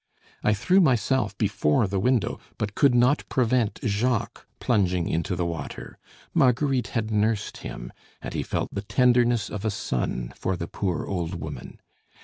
I threw myself before the window, but could not prevent Jacques plunging into the water. Marguerite had nursed him, and he felt the tenderness of a son for the poor old woman.